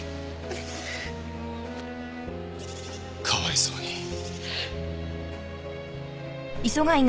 かわいそうに。